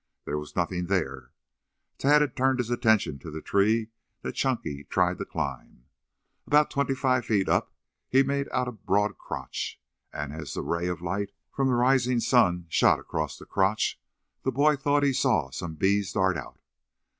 There was nothing there. Tad had turned his attention to the tree that Chunky tried to climb. About twenty five feet up he had made out a broad crotch, and as a ray of light from the rising sun shot across the crotch the boy thought he saw some bees dart out.